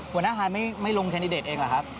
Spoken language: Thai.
หัวหน้าฮายไม่ลงแคนดิเดตเองหรือครับ